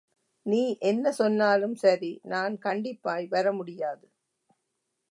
நீ என்ன சொன்னாலும் சரி நான் கண்டிப்பாய் வர முடியாது.